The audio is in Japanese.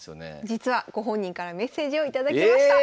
実はご本人からメッセージを頂きました。